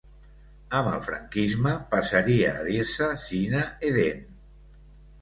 Amb el franquisme passaria a dir-se Cine Edén.